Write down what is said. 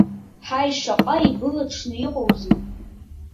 Ҳаи, шаҟа ибылаҽны иҟоузеи!